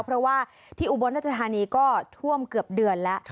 เพราะว่าที่อุบลราชธานีก็ท่วมเกือบเดือนแล้ว